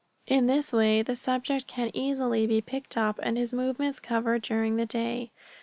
In this way the subject can easily be picked up and his movements covered during the day.